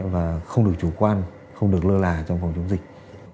và không được chủ quan không được lơ là trong phòng chống dịch